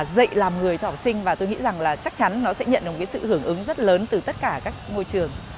dạy làm người cho học sinh và tôi nghĩ rằng là chắc chắn nó sẽ nhận được một cái sự hưởng ứng rất lớn từ tất cả các ngôi trường